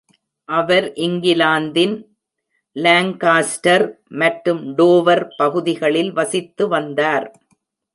அவர் இங்கிலாந்தின் லான்காஸ்டர் மற்றும் டோவர் பகுதிகளில் வசித்து வந்தார்.